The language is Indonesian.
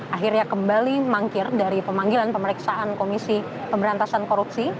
akhirnya kembali mangkir dari pemanggilan pemeriksaan komisi pemberantasan korupsi